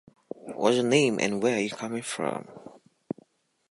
Excuse me, can you show me where Shakespeare was born?